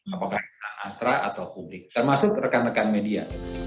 apakah astra atau publik termasuk rekan rekan media